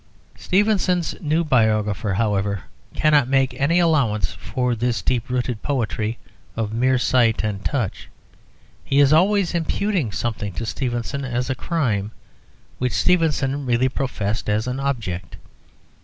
Stevenson's new biographer, however, cannot make any allowance for this deep rooted poetry of mere sight and touch. He is always imputing something to Stevenson as a crime which Stevenson really professed as an object.